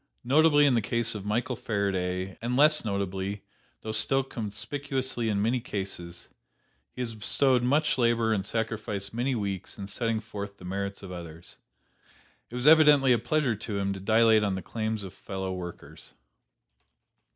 Notably in the case of Michael Faraday, and less notably, though still conspicuously in many cases, he has bestowed much labor and sacrificed many weeks in setting forth the merits of others. It was evidently a pleasure to him to dilate on the claims of fellow workers.